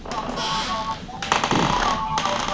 কারণ আমরা লড়াই করি তার চেয়ে বেশি।